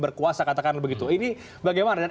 berkuasa katakanlah begitu ini bagaimana